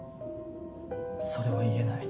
それは言えない。